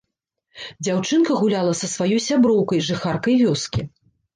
Дзяўчынка гуляла са сваёй сяброўкай, жыхаркай вёскі.